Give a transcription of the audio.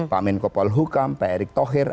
pak menko polhukam pak erick thohir